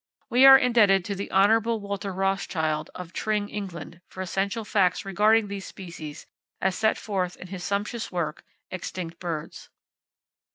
We are indebted to the Hon. Walter Rothschild, of Tring, England, for essential facts regarding these species as set forth in his sumptuous work "Extinct Birds".